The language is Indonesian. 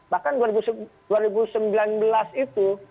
bahkan dua ribu sembilan belas itu